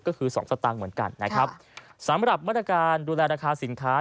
ก็คือสองสตางค์เหมือนกันนะครับสำหรับมาตรการดูแลราคาสินค้า